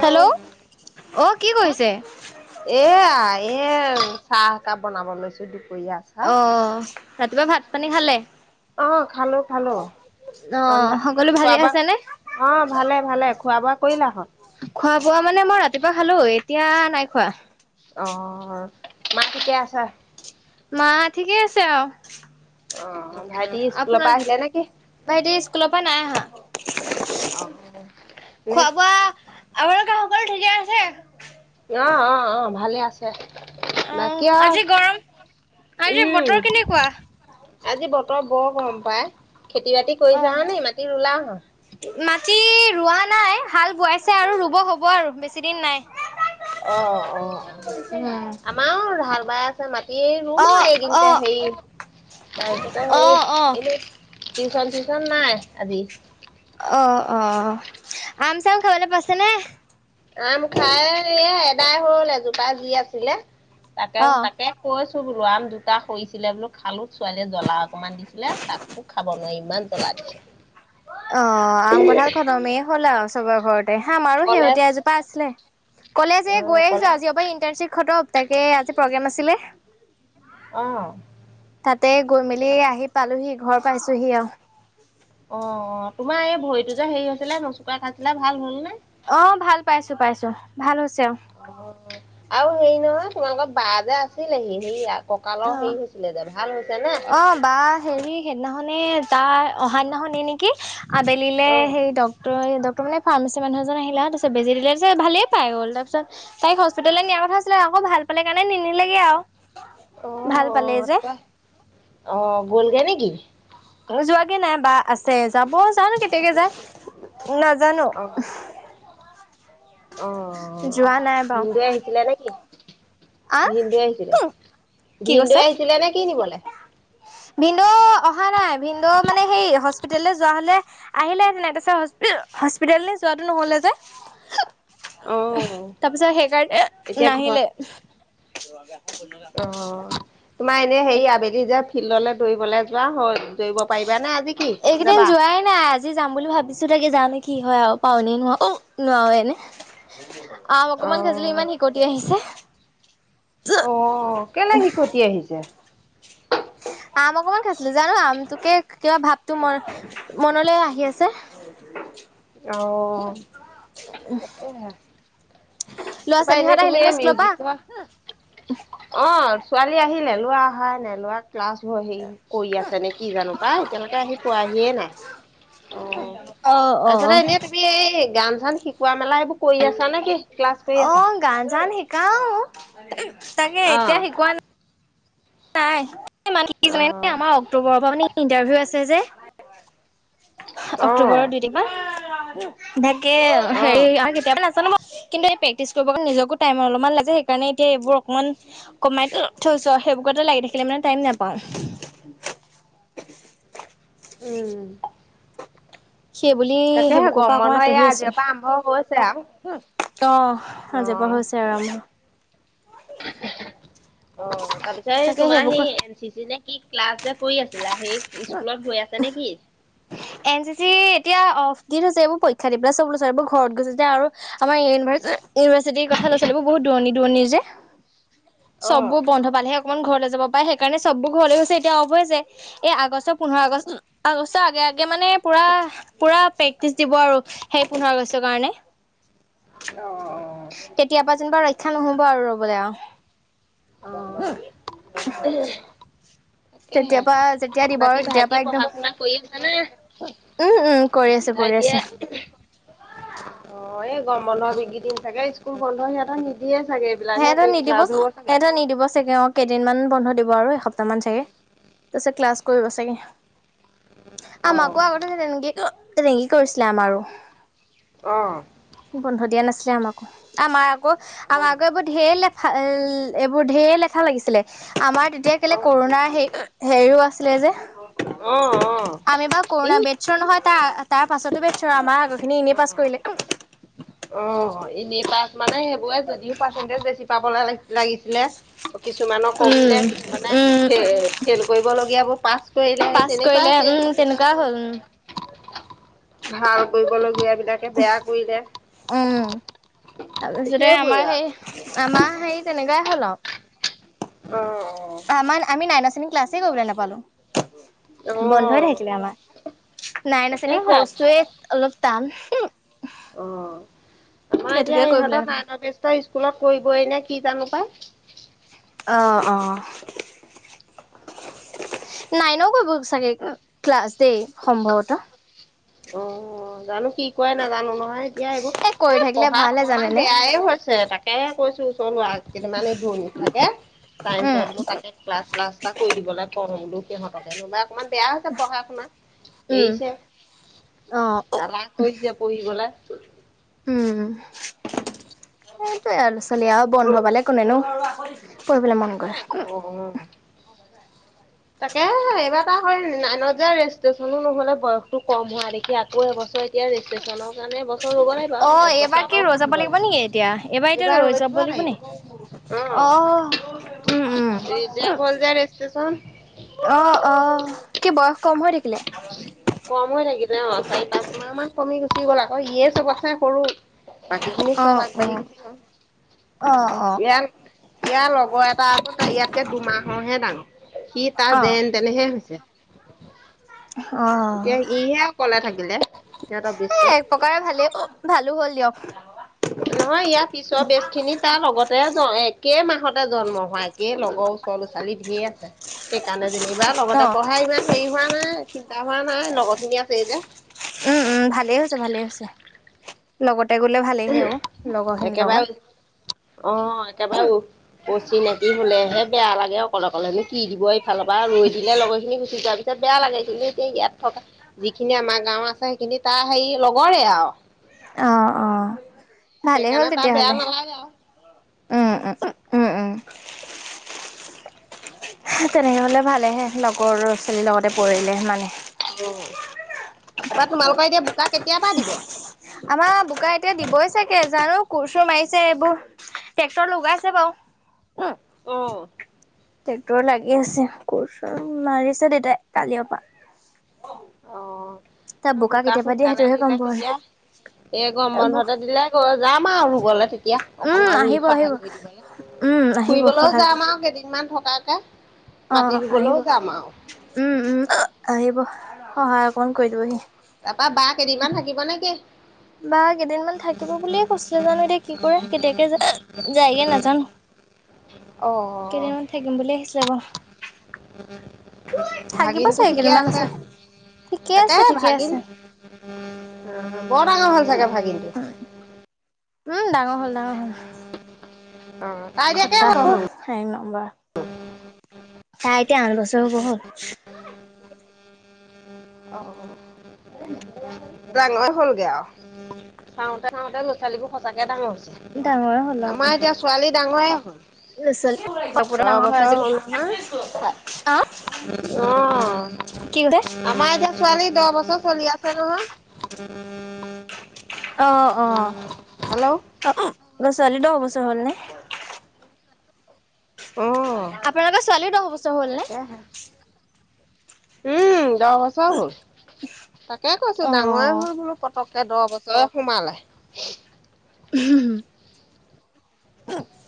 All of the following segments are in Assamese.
হেল্ল' অ কি এয়া এ চাহ একাহ বনাব লৈছো দুপৰীয়া চাহ। অ ৰাতিপুৱা ভাত পানী খালে অ খালো খালো অ ৰন্ধা স সকলো ভালে খোৱা আছে নে? বোৱা অ ভালে ভালে খোৱা বোৱা কৰিলা হত খোৱা বোৱা মানে মই ৰাতিপুৱা খালো এতিয়া নাই খোৱা অ ম িকে আছা মা ঠিকেই আছে অহ, অ, ভাইতি স্কুলৰ পৰা আহিলে নেকি? ভাইটি পৰা নাই আহা অ নে খোৱা বোৱা আপোনালোকে ক ঠিকে আছে। অ- অ - অ ভালে আছে। অ বাকী আজি গৰম আৰু আজি বতৰ উম, কেনেকুৱা? আজি বতৰ ৰ বৰ গম পাই খেতি বাতি অ কৰিছা হ নে মাটি ৰুলাও হা মাটি ৰোৱা নাই হাল বোৱাইছে আৰু ৰুব হ'ব আৰু বেছিদিন নাই। অ - অ - অ উম। আমাৰ ঢাল বাই আছে মাটি এ ৰুম অ অ হোগিন্ত সেই। তাৰপিছতে অ হেৰি অ এনে টিউচন চিউচন নাই আজি। অ- অ আম চাম খাবলৈ পাইছে নে? আম খাই এ এদাই সৰুল এজোপা যি আছিলে। তাকে - অ'। তাকে কৈছো ৰম দুটা কৰিছিলে বোলো খালো। ছোৱালীয়ে জ্বলা অকনমান দিছিলে তাকো খাব নোৱাৰি ইমান জ্বলা দিছে। অ, আম কঠাল খতমেই হ'লা আৰু চবা ঘৰত। হা আৰো কলেজ শেহতীয়া এজোপা আছিলে কলে অ যে গৈ আহিছো কলেজ আজিৰ পৰা ইন্টাৰ্শিপ খতম। তাকে আজি প্ৰগ্ৰেম আছিলে। অ', তাতে গৈ মেলি আহি পালোহি ঘৰ পাইছোহি আৰু। অ - অ তোমাৰ এই ভৰিতটো যে হেৰি হৈছিলে নচোকা খাইছিলে ভাল হল নে। অ, ভাল পাইছো পাইছো ভাল হৈছে আৰু। অ, আৰু হেৰি নহয় তোমালোকৰ বা যে আছে। আছিলেহি সেই ককালৰ অ'। হেৰি হৈছিলে দে ভাল হৈছে নে? মানে তাৰ অহানা শুনি নেকি আবেলিলে অ সেই ডক্তৰে। ডক্টৰ মানে ফাৰ্মাচী মানুহ এ আহিলো তি বেজি দিলে যে ভালেই পাই গ'ল তাৰপিছত তাই হস্পিটাললৈ নিয়া কথাছিলে। আকৌ ভাল পালে কাৰণে নিনিলেগে আৰু। অ - ভাল অ পালেই যে তে আহ, গ'লগৈ নেকি। ত' যোৱাকে নাই বা আছে যাব যা ন কেতিয়াকে যায়। নাজানো। অ' অ, যোৱা নাই বাৰু হিন্দুৱে আহিছিলে নেকি? ভিনদ আহিছিলে আহ ভিনদুৱে আহিছিলে নে কি নিবলৈ। ভিনন্দ অহা নাই ভিনন্দ মানে হেই। হস্পিলৈ যোৱা হলে আহিলেহটেন নাই তাৰপিছত হস্পিতেল যোৱাতটো নহলে যে। অ' তাৰপিছত সেইকাৰণে এতিয়া ঘৰত নাহিলে। ত'আগে আ ৰা কৰি অ' তোমাৰ এনেই হেৰি আবেলি যে ফিল্ডলৈ দৌৰিবলৈ যোৱা হ'ল দৌৰিব পাৰিবানে আজি কি এইকেইদিন যাবা? যোৱাই নাই আজি যাম বুলি ভাবিছো তাকে যা নেকি। কি হয় আৰু পানেই নোৱাাও অ, নোৱাৰা এনে। আম অকমান খজুলি অ' ইমান শিকটি আহিছে। অ, কেনে শিকটি আহিছে। আম অকমান জানো আম তোকে কিবা ভাৱটো ম মনলৈ আহি আছে। অহ, তাকে ল'ৰা তাৰপা এনেই ছোৱালীহঁত আহিলে তুমি নে স্কুলৰ পৰা? মিউজিক অ, ছোৱালী অহ, ছোৱালী আহি নেলোৱা হয় নেলোৱাক। ক্লাছ হে কৰি আছে নে কি জানো পাই এতিালকে আহি পোৱাহিয়ে নাই। অ, অ', তাৰপিছতে অ'। এনেই তুমি এই গান চান। শিকোৱা মেলা সেইোৰ কৰি আছা নে কি ক্লাছ কৰি অ, আছা? গান চান শিকাও তাকে এতিয়া অ', শিকোৱা নাই। নাই ম কি অ', আমাৰ অক্টোবৰৰ পৰা মানে ইণ্টাৰভিউ আছে যে। অক্টোবৰৰ অ'। [inaudible] তাকে হেৰি অ', আৰু কেইটাবা কিন্তু এই প্ৰেক্টিচ কৰিব কাৰণলে নিজকো টাইম অলপমান লাগে সেইকাৰণে এতিয়া এইবোৰ অকমান কমাই থৈছো সেইবোৰ। কটা লাগি থাকিলে মানে টাইম নাপাওঁ। সেই বুলি তাকে সেইবোৰৰ পৰা গৰম অকমান বন্ধ আঁতৰি এয়া আছো আজিৰ পৰা আৰম্ভ হৈছে আও। অ 'আজিৰ পৰা হৈছে আৰু অ' তাৰপিছত তাকে তোমাৰ সেই সেইবোৰ এন চি চি নে কি ক্লাছ যে। কৰি আছিলা সেই স্কুলত গৈ আছা নেকি। এন চি চি এতিয়া দি থৈছে এইবোৰ পৰীক্ষা দি পেলাই চব এইবোৰ ঘৰত গৈছে যে আৰু এতিয়া আৰু আমাৰ [inaudible] ইউনিভাৰ্চিটিৰ কথা ছিলো বহুত দুৰণি দুৰনি যে চবো অ', বন্ধ পালেহে অকণমান ঘৰলৈ যাব পাৰে সেইকাৰণে চবোৰ ঘৰলৈ গৈছে এতিয়া অফ হৈ গৈছে আগষ্ট পোন্ধৰ আগষ্ট আগে আগে মানে পুৰা পুৰা প্ৰেক্টিচ দিব আৰু সেই পোন্ধৰ আগষ্টৰ কাৰণে। অ', কেতিয়াবা যেনিবা ৰক্ষা নহব আৰু ৰবলৈ অ', আৰু। [inaudible] তাকেহে তেতিয়াৰ পৰা যেতিয়া দিব আৰু বাকী তেতিয়াৰ ভাইটিয়ে পৰা একদম পঢ়া শুনা কৰি আছে নে। উম উম কৰি আছো কৰি ভাইটিয়ে আছো অ' অ' এই গৰম বন্ধৰ বিগিদিন চাগে স্কুল বন্ধ সিহঁতে নিদিয়ে চাগে সেহেতক এইবিলাকহে নিদিব ক্লাছ হ'ব চাগে সেহেতক নিদিব চাগে অ' কেইদিনমান। বন্ধ দিব আৰু এসপ্তাহ মান চাগে তাৰপিছত ক্লাছ কৰিব চাগে। অ আমাকো আগতে তেনেকেই তেনেকেই কৰিছিলে আমাৰো অ ' বন্ধ দিয়া নাছিলে আমাকো আমাৰ আকৌ অ আমাৰ আকৌ এইবোৰ ধেৰ লেঠা এইবোৰ ঢেৰ লেখা লাগিছিলে আমাৰ তেতিয়া কেলে অ কৰোণাৰ সেই। হেৰিও আছিলে যে অ অ আমি বাাৰ ই কৰোণা বেডছ নহয় তাৰ। তাৰ পাছতো বেটছ আমাৰ আগৰ খিনি এনেই অ পাছ কৰিলে। অ' এনে পাছ মানে সেইবোৰে যদিও পাৰ্চেন্টেজ বেছি পাব লাগিছিলে কিছুমানক কমিলে উম কিছুমানে উম ফ ফেইল কৰিবলীয়াবোৰ পাছ কৰিলে সেই পাছ কৰিলে তেনেকুৱাই। সেই উম তেনে কণ্ডিচন কোৱা হ'ল ভাল কৰিবলগীয়া বিলাকে বেয়া কৰিলে। উম তাৰপিছতে সেইবোৰে আমাৰ সেই আমাৰ হেৰি তেনেকুৱাই হয়। ন' অ' ক্লাচেই কৰিবলে নাপালো অ অ বন্ধই থাকিলে আমাৰ। অ নাইন শ্ৰেণীৰ তাকেহে কস্তুৰী টান অ' আমাৰ এতিয়া ইহত নাইন টেষ্ট স্কুলত কৰিবই নে কি জানো পাই। অ' অ'- নাইনও কৰিব চাগে ক্লাছ দেই সম্ভৱতঃ অ' জানো কি কৰে নাজানো নহ নহয় এতিয়া এইবোৰ এ কৰি থাকিলে পঢ়াত ভালহে অকমান জানেনে বেয়াই হৈছে তাকে কৈছো ওচৰ লৰা কেইটমান [unintelligible] দূৰণিত থাকে উম চাইন্ঞ্চসৰ বোলো তাকে ক্লাছ্লাছ এটা কৰি দিব কওঁ বোলো সিহঁতকে [unintelligible] অকণমান বেয়া হৈছে পঢ়া শুনা উম এৰিছে অ' উম [inaudible] কৰিবলে মন কৰে তাকেহে এইবাৰ এটা হয় নাইনত যে ৰেজিষ্ট্ৰচনো নহলে বয়সতটো কম হোৱা দেখি আকৌ এবছৰ এতিয়া ৰেজিষ্ট্ৰেশ্যনৰ কাৰণে এবছৰ ৰ'ব লাগিব আৰু অ' একবছৰ এইবাৰ কি আকৌ ৰৈ যাব পঢ়িব লাগিব নেকি এতিয়া? এইবাৰ এতিয়া ৰৈ যাব লাগি [unintelligible] অ উম উম ৰিজেক হল যে ৰেষ্টেচন অ থাকিলে কম হৈ থাকিলে অ 'চাৰি পাঁচ মাহ মান কমি গুচি গ'ল আকৌ ইয়ে চবটচে সৰু বাকী খিনি চব অ' আগবাঢ়ি অ' গুছি গল অ' অ' ইয়াৰ ইয়াৰ লগৰ এটা আকৌ ইয়াতকে দুমাহৰহে ডাঙৰ সি তাৰ অ' যেন তেনে অ' ইহে অকলে থাকিলে। সিহঁতৰ এ বেষ্টত। এক প্ৰকাৰে ভালেই ভালো হ'ল দিয়ক নহয় ইয়াৰ পিছৰ বেজ খিনি তাৰ লগতে [unintelligible] একে মাহত জন্ম হোৱা একে লগৰ ওচৰ লৰা ছোৱালী ধে আছে সেইকাৰণে যেনিবা লগতে অ' পঢ়া ইমান হেৰি হোৱা নাই। চিন্তা হোৱা নাই লগৰ খিনি আছেই যে উম, উম ভালেই হৈছে ভালেই হৈছে গ'লে ভালেইহে অ লগৰ [unintelligible] খিনিৰ লগত একেবাৰে অ একেবাৰে অচিনাকি হলেহে বেয়া লাগে অকলে অকলে বেয়া লাগে কিন্তু এতিয়া ইয়াত থকা যিখিনি আমাৰ গাঁও আছে সেইখিনি তাৰ হেৰি লগৰে আৰু অ ভালেই হ'ল সেইকাৰণে তাৰ বেয়া তেতিয়াহ'লে নালাগে আৰু উম, উম, উম, উম, উম তেনেকে হলে ভালেহে লগৰ ল'ৰা ছোৱালীৰ লগতে পঢ়িলে মানে অ তাপা তোমালোকৰ এতিয়া বোকা কেতিয়াৰ পৰা দিব? আমাৰ বোকা এতিয়া দিবই চাগে জানো কোৰ চোৰ মাৰিছে। এইবোৰ ট্ৰেক্টৰ লগাইছে বাৰু অঁ টেক্টৰ লাগি আছে [unintelligible] মাৰিছে দেতাই কালিয়পা অঁ বোকা দিয়ে সোনকালে সেইটোহে গম দিলে তে পোৱা নাই এ গম এইবোৰ বন্ধতে দিলে [unintelligible] যাম আৰু ৰুবলৈ তেতিয়া উম অকণমান ৰুই আহিব আহিব সহায় কৰি উম দিবলে আহিব ফুৰিবলৈও সহায় যাম আৰু কেইদিনমান থকাকে মাটি অ' আহিব। ৰুবলৈও যাম আৰু উম, উম তাপা বা কেইদিনমান থাকিব নেকি? বা কেদিনমান থাকিব বুলিএ কৈছে জানো এতিয়া কি কৰে কতিয়াকে যায় কি কৰে নাজানো অ কেদিনমান থাকিম বুলি আহিছিলে [unintelligible] [unintelligible] থাকিব ভাগিনতটো চাগে ঠিকে কেইদিনমান আছে? [inaudible] [unintelligible] ঠিকে আছে চাগে ঠিকে আছে উম ভাগিনটো উম ডাঙৰ হ'ল ডাঙৰ হল অ তাই এতিয়া কেইবছৰ খটাাসুৰ হ'ল? একন্বৰ তাৰ এতিয়া আঠ বছৰ হ'ব হ'ল [unintelligible] ডাঙয়ে হ'লগে আৰু চাওতে চাওঁতে ল'ৰা ছোৱালীবোৰ সঁচাকে ডাঙৰ ডাঙৰে হ'ল হৈছে আৰু আমাৰ এতিয়া ছোৱালী ডাঙৰেই হ'ল দহ বছৰ আহ হ'ল নহয় [inaudible] অ' কি কৈছে আমাৰ এতিয়া ছোৱালী দহ বছৰ চলি আছে নহয়। অ' অ' হেল্ল' গ ছোৱালী দহ বছৰ হ'ল নে? অ আপোনালোকৰ ছোৱালীও দহ বছৰ হ'ল নে? তাকেহে উম দহ বছৰ হ'ল। তাকে কৈছো অ ডাঙৰে হ'ল বোলো পতক তে দহ বছৰ সোমালে। হম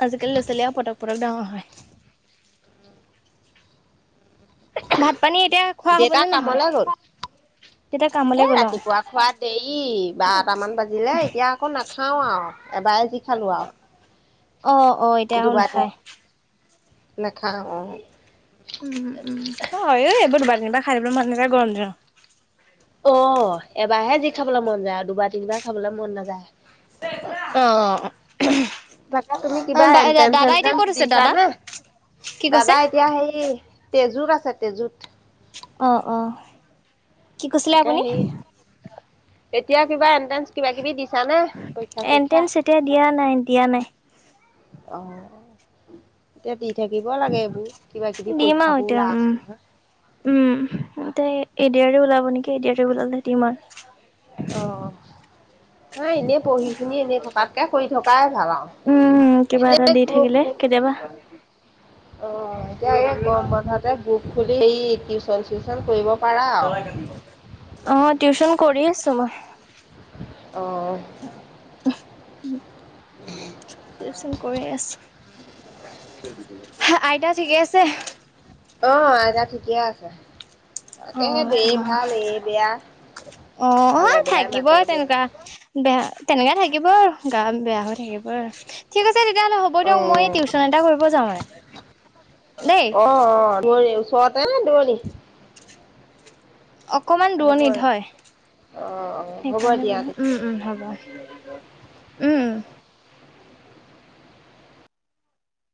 আজিকালি ল'ৰা ছোৱালীয়ে পটক পটক ডাঙৰ হয়। ভাত পানী এতিয়া খোৱা দেটা হ'বনে নহয়? কামলৈ গল। তেতিয়া কামলৈ এ গ'ল আৰু। ৰাতিপুৱা খোৱা দেৰি বাৰটামান বাজিলে এতিয়া আকৌ ন খাওঁ আৰু এবাৰে যি খালোঁ আৰু অঁ অঁ এতিয়া আও দুবাৰ নাখায় নাখাওঁ অঁ উম উম অঁ হয়ো এইবোৰ দুবাৰ তিনিবাৰ বা খাই থাকিবলৈ মন‌‌ নাযায় গৰম দিনত অঁ এবাৰহে যি খাবলৈ মন যায় আৰু দুবাৰ তিনিবাৰ খাবলৈ মন নাযায় অঁ বাকা তুমি কিবা এনট্ৰেন্স এতিয়া ক'ত চেনট্ৰেন্স আছে দিছা দাদা? নে কি কৈছে? দাদা এতিয়া সেই তেজুৰ আছে তেজুত অঁ অঁ কি কৈছিলে তাকে আপুনি হেৰি এতিয়া কিবা এন্ট্ৰেন্স কিবা কিবি দিছা নে পৰীক্ষা চৰীক্ষা এন্ট্ৰেন্স এতিয়া দিয়া নাই দিয়া নাই। অঁ এতিয়া দি থাকিব লাগে এইবোৰ কিবা কিবি দিম আৰু পৰীক্ষাবোৰ এতিয়া ওলাই উম। আছে নহয় উম, এতিয়া এ আ আৰ ই ওলাব নেকি এ দি আৰু ই ওলালে দিম আৰু অঁ হৈ এনেই পঢ়ি খিনি এনে থকাতকে কৰি থকাই ভাল আৰু উম কিবা এনে এটা দি থাকিলে কেতিয়াবা অঁ এতিয়া এই গৰম বন্ধাতে গ্ৰুপ খুলি সেই টিউচন চিউচন কৰিব পাৰা আও অ টিউচন কৰি আছো মই অ টিউচন কৰি আছো আইতা ঠিকে আছে অঁ এতয়া ঠিকে আছে তাকে তাকেহেড এই ভাল এই বেয়া অঁ ভালে অঁ বেয়াই থাকিবই মাজৰে গৈ তেনেকুৱা আছে বে তেনেকে থাকিব আৰু গা বেয়া হৈ থাকিব আৰু ঠিক আছে তেতিয়াহ'লে হ'ব অ দিয়ক মই টিউচন এটা কৰিব যাওঁ মানে দেই অঁ অঁ দুৱ ওচৰতে নে দুৰনি অকমান অ দূৰণিত হয় অ হ'ব সেইকাৰণে দিয়া বোলে তেতিয়া উম উম হ'ব উম